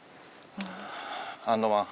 ハンドマン。